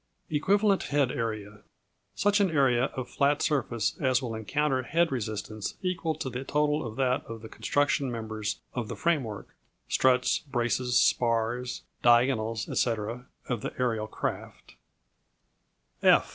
Equivalent Head Area Such an area of flat surface as will encounter head resistance equal to the total of that of the construction members of the framework struts, braces, spars, diagonals, etc., of the aerial craft.